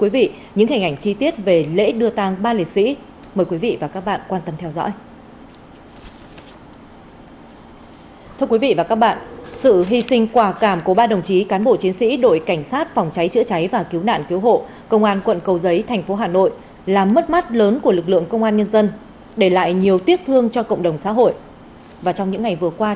và em nghĩ là cái hành động để lên đường để lên đường để lên đường